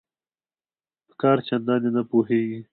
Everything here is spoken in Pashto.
په کار چنداني نه پوهیږي